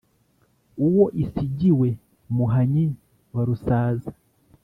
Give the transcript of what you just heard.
uwo isigiwe muhanyi wa rusaza